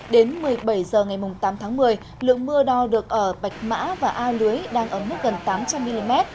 đến một mươi bảy h ngày tám tháng một mươi lượng mưa đo được ở bạch mã và a lưới đang ở mức gần tám trăm linh mm